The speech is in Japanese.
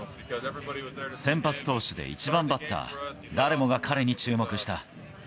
先発投手で１番バッター、誰もが彼に注目した。